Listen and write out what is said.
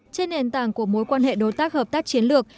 trên nền tảng của mối quan hệ đối tác hợp tác chiến lược